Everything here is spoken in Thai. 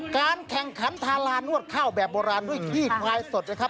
การแข่งขันทารานวดข้าวแบบโบราณด้วยขี้ควายสดนะครับ